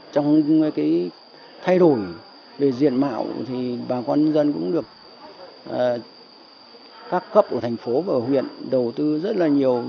trong thay đổi về diện mạo bà con nhân dân cũng được các cấp của thành phố và huyện đầu tư rất nhiều